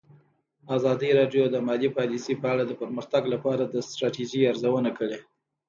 ازادي راډیو د مالي پالیسي په اړه د پرمختګ لپاره د ستراتیژۍ ارزونه کړې.